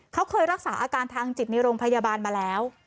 เขาเคยรักษาอาการทางจิตในโรงพยาบาลมาแล้ว